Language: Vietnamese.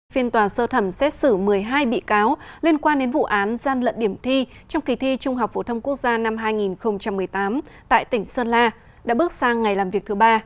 phiên tòa sơ thẩm xét xử một mươi hai bị cáo liên quan đến vụ án gian lận điểm thi trong kỳ thi trung học phổ thông quốc gia năm hai nghìn một mươi tám tại tỉnh sơn la đã bước sang ngày làm việc thứ ba